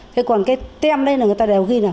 thế còn cái tem đây là người ta đều ghi là